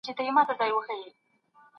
هغه د جزیاتو په بیانولو کي دقت کوي.